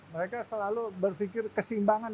mereka selalu berpikir kesimbangan